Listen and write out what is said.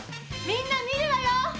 みんな見るわよ！